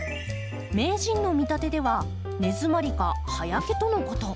名人の見立てでは根づまりか葉焼けとのこと。